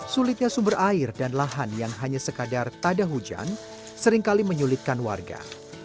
sulitnya sumber air dan lahan yang hanya sekadar tak ada hujan seringkali menyulitkan warga